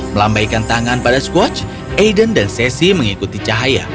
melambaikan tangan pada squatch aiden dan sesi mengikuti cahaya